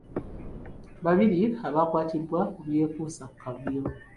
Babiri baakwatiddwa ku byekuusa ku kavuyo.